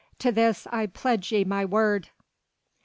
To this I pledge ye my word."